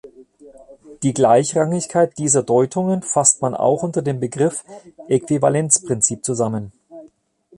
Die Gleichrangigkeit dieser Deutungen fasst man auch unter dem Begriff Äquivalenzprinzip zusammen.